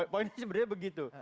poinnya sebenarnya begitu